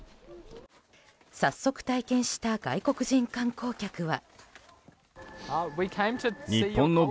早速、体験した外国人観光客は。